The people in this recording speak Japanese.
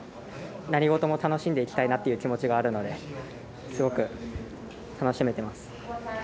何事も楽しんでいきたいなという気持ちがあるのですごく楽しめています。